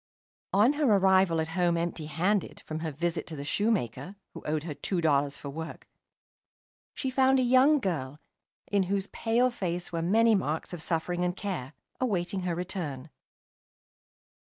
On her arrival at home empty handed, from her visit to the shoemaker, who owed her two dollars for work, she found a young girl, in whose pale face were many marks of suffering and care, awaiting her return.